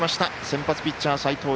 先発ピッチャー、斎藤蓉。